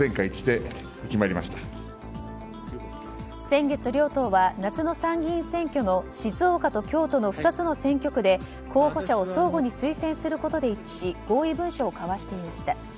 先月、両党は夏の参議院選挙の静岡と京都の２つの選挙区で候補者を相互に推薦することで一致し合意文書を交わしていました。